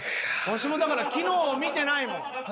わしもだから昨日を見てないもん。